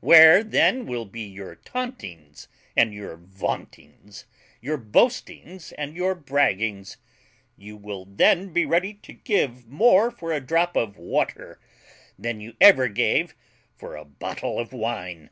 Where, then, will be your tauntings and your vauntings, your boastings and your braggings? You will then be ready to give more for a drop of water than you ever gave for a bottle of wine.